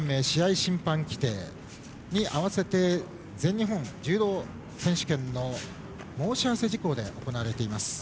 審判既定に合わせて全日本柔道選手権の申し合わせ事項で行われています。